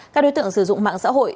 các đối tượng sử dụng mạng xã hội